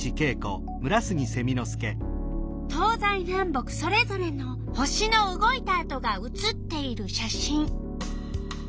東西南北それぞれの星の動いたあとが写っている写真。